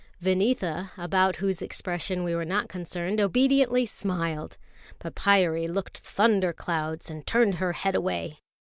Vineetha, about whose expression we were not concerned, obediently smiled; but Pyârie looked thunderclouds, and turned her head away.